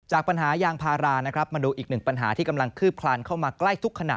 ปัญหายางพารานะครับมาดูอีกหนึ่งปัญหาที่กำลังคืบคลานเข้ามาใกล้ทุกขณะ